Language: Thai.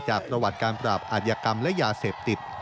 ประวัติการปราบอาธิกรรมและยาเสพติด